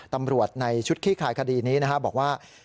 ตำรวจในชุดคลี่ขายคดีนี้นะฮะบอกว่า